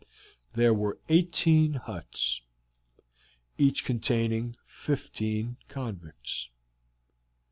There were eighteen huts, each containing fifteen convicts.